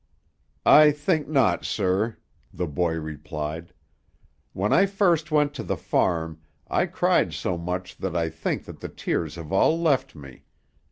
"I think not, sir," the boy replied. "When I first went to the farm, I cried so much that I think that the tears have all left me.